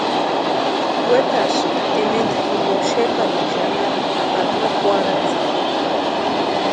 Wetarhisïnti ementa jimpo xeparini xanharani pari no kwarhatsini.